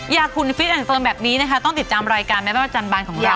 อยากคุณฟิล์นกันเติมแบบนี้นะคะต้องติดจำรายการในใบบรรจารย์บานของเรา